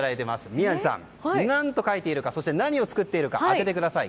宮司さん、何と書いているかそして何を作っているか当ててください。